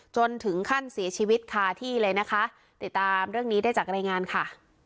จนถึงขั้นเสียชีวิตคาที่เลยนะคะติดตามเรื่องนี้ได้จากรายงานค่ะ